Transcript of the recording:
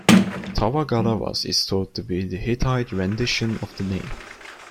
"Tawagalawas" is thought to be the Hittite rendition of the name.